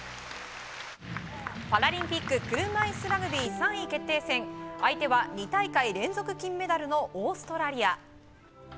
パラリンピック車いすラグビー３位決定戦、相手は２大会連続金メダルのオーストラリア。